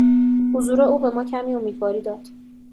حضور او به ما کمی امیدواری داد.